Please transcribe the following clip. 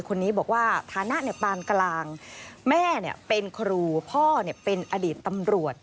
คนนี้บอกว่าฐานะปานกลางแม่เป็นครูพ่อเป็นอดีตตำรวจ